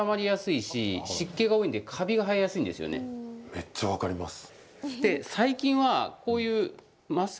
めっちゃ分かります。